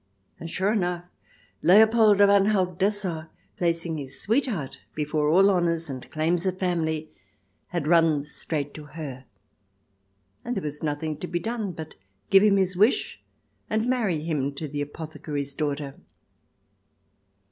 And sure enough Leopold of Anhalt Dessau, placing his sweetheart before all honours and claims of family, had run straight to her, and there was nothing to be done but give him his wish and marry him to the apothecary's daughter.